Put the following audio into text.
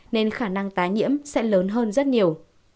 nên khả năng tái nhiễm sẽ lớn hơn rất nhiều